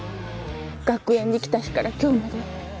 「学園に来た日から今日まで」